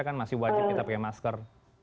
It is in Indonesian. kan masih wajib kita pakai masker